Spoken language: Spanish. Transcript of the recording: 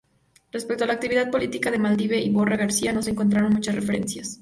Respecto a la actividad política de Matilde Iborra García, no se encuentran muchas referencias.